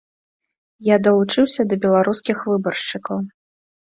Я далучыўся да беларускіх выбаршчыкаў.